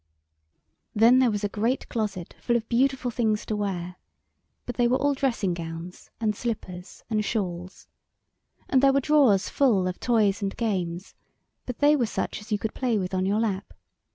Then there was a great closet full of beautiful things to wear but they were all dressing gowns and slippers and shawls; and there were drawers full of toys and games; but they were such as you could play with on your lap.